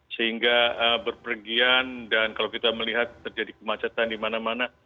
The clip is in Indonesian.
sehingga berpergian dan kalau kita melihat terjadi kemacetan di mana mana